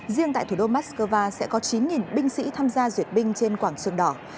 riêng tại thủ đô moscow sẽ có chín binh sĩ tham gia duyệt binh trên quảng trường đỏ